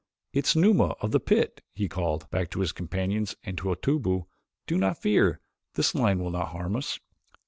"It's Numa of the pit," he called back to his companions, and to Otobu, "Do not fear, this lion will not harm us."